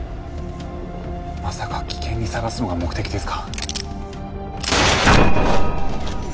まさか危険にさらすのが目的ですか？